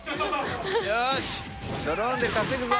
よしドローンで稼ぐぞ。